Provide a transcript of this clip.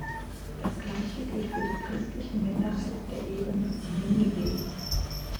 Das Gleiche gilt für die christliche Minderheit der Ebene von Ninive.